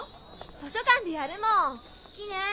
図書館でやるもん。